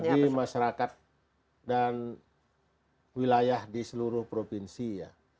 bagi masyarakat dan wilayah di seluruh provinsi ya